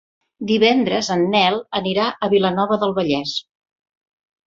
Divendres en Nel anirà a Vilanova del Vallès.